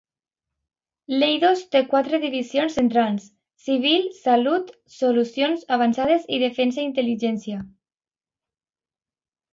Leidos té quatre divisions centrals: Civil, Salut, Solucions Avançades i Defensa i Intel·ligència.